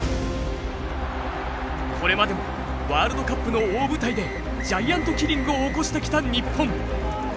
これまでもワールドカップの大舞台でジャイアントキリングを起こしてきた日本。